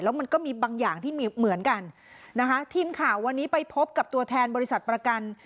มันก็มีบางอย่างที่มีเหมือนกันนะคะทีมข่าววันนี้ไปพบกับตัวแทนบริษัทประกัน